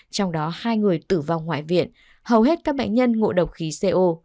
trong đó hai người tử vong ngoại viện hầu hết các bệnh nhân ngộ độc khí co